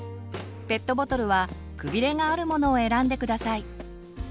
ペットボトルは「くびれ」があるものを選んで下さい。